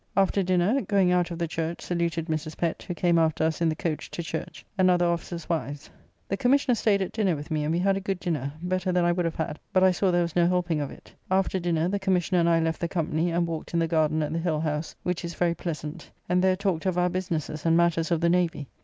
After dinner going out of the church saluted Mrs. Pett, who came after us in the coach to church, and other officers' wives. The Commissioner staid at dinner with me, and we had a good dinner, better than I would have had, but I saw there was no helping of it. After dinner the Commissioner and I left the company and walked in the garden at the Hill house, which is very pleasant, and there talked of our businesses and matters of the navy.